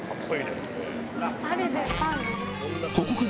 ここから、